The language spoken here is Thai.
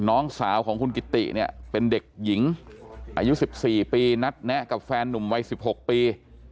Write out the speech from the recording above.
น้องสาวของคุณกิติเนี่ยเป็นเด็กหญิงอายุ๑๔ปีนัดแนะกับแฟนนุ่มวัย๑๖ปี